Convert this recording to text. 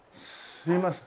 すいません。